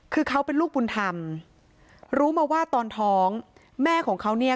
คือเขาเป็นลูกบุญธรรมรู้มาว่าตอนท้องแม่ของเขาเนี่ย